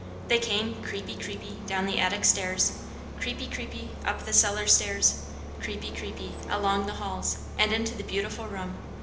They came creepy, creepy, down the attic stairs, creepy, creepy, up the cellar stairs, creepy, creepy, along the halls, and into the beautiful room.